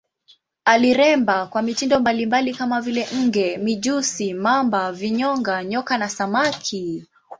Aliremba kwa mitindo mbalimbali kama vile nge, mijusi, mamba, vinyonga, nyoka na samaki.